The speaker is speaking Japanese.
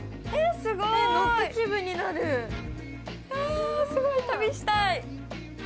あすごい旅したい。